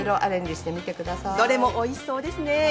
どれもおいしそうですね。